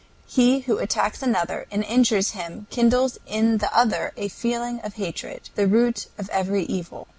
He who attacks another and injures him, kindles in the other a feeling of hatred, the root of every evil.